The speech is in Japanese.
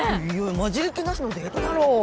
混じりっけなしのデートだろ